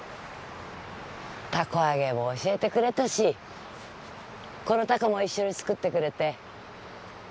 凧揚げも教えてくれたしこの凧も一緒に作ってくれて。